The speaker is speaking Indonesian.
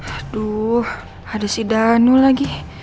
aduh ada si daniel lagi